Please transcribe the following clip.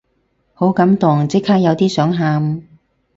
好感動，即刻有啲想喊